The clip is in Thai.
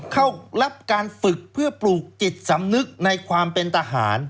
เข้ารับการฝึกเพื่อปลูกจิตสำนึกในความเป็นทหาร